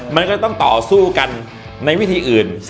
มันก็ต้องต่อสู้กันในวิธีอื่น